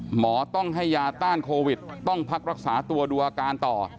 หมอต้องให้ยาต้านโควิดต้องพักรักษาตัวดูอาการต่อ